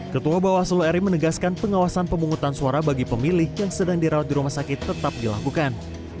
ketua bawaslu ri menegaskan pengawasan pemungutan suara bagi pemilih yang sedang dirawat di rumah sakit tetap dilakukan